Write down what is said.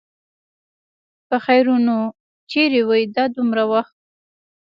پخيرونو! چېرې وې دا دومره وخت؟